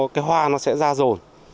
cái hoa nó sẽ ra rồi